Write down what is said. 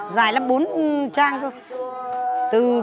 dài là bốn trang thôi